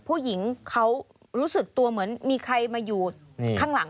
ผู้หญิงเขารู้สึกตัวเหมือนมีใครมาอยู่ข้างหลัง